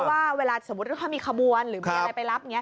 เพราะว่าเวลาสมมติว่าเขามีขบวนหรืออะไรไปรับ